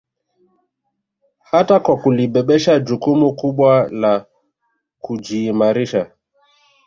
Hata kwa kulibebesha jukumu kubwa la kujiimarisha